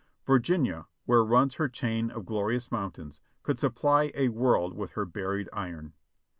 Virginia, where runs her chain of glorious mountains, could supply a world with her buried iron.